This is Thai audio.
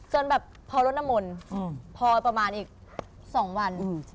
แบบพอรถน้ำมนต์พอประมาณอีก๒วัน